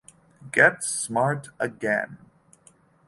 Get Smart, Again!